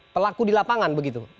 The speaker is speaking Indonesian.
pelaku di lapangan begitu